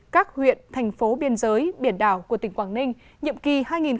các huyện thành phố biên giới biển đảo của tỉnh quảng ninh nhiệm kỳ hai nghìn một mươi năm hai nghìn hai mươi